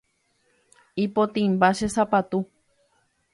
Ipotĩmba che sapatu.